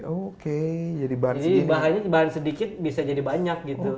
oke jadi bahan sedikit bisa jadi banyak gitu